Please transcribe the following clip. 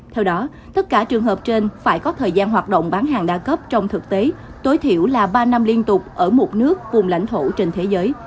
theo đó tất cả trường hợp trên phải có thời gian hoạt động bán hàng đa cấp trong thực tế tối thiểu là ba năm liên tục ở một nước vùng lãnh thổ trên thế giới